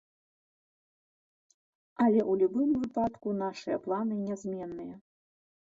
Але ў любым выпадку нашыя планы нязменныя.